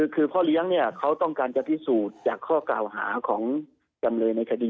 คือพ่อเลี้ยงเขาต้องการจะพิสูจน์จากข้อกล่าวหาของจำเลยในคดี